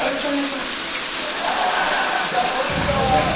じゃあポイント。